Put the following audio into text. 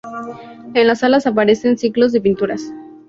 En las alas aparecen ciclos de pinturas.